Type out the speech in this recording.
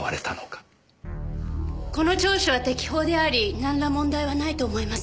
この聴取は適法でありなんら問題はないと思いますが。